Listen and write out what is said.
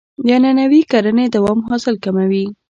د عنعنوي کرنې دوام حاصل کموي.